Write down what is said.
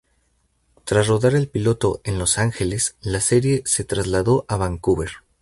Tras rodar el piloto en Los Ángeles, la serie se trasladó a Vancouver.